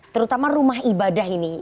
terutama rumah ibadah ini